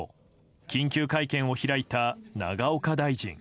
緊急会見を開いた永岡大臣。